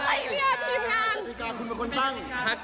อะไรเหรอพี่แพง